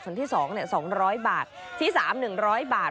ส่วนที่สองเนี่ย๒๐๐บาทที่สาม๑๐๐บาท